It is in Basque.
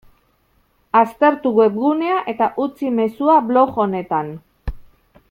Aztertu webgunea eta utzi mezua blog honetan.